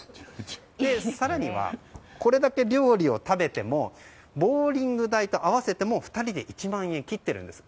更にはこれだけ料理を食べてもボウリング代と合わせても２人で１万円を切っているんです。